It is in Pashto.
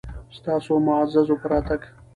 ستاسو معززو په راتګ